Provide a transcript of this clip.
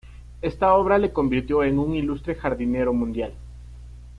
Esta obra le convirtió en un ilustre jardinero mundial.